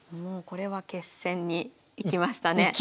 これは決戦にいきましたね。